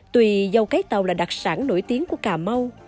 tuy dâu cái tàu là đặc sản nổi tiếng của cà mau